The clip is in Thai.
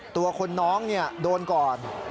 ตัวคนน้องโดนก่อน